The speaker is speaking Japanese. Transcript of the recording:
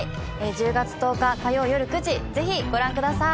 １０月１０日火曜よる９時ぜひご覧ください。